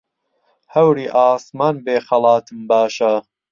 هەوری ئاسمان بێ خەڵاتم باشە